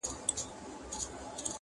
• خو نیژدې نه سوای ورتللای څوک له ویري -